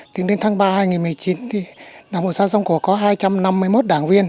tính đến tháng ba hai nghìn một mươi chín đảng bộ xã sông cổ có hai trăm năm mươi một đảng viên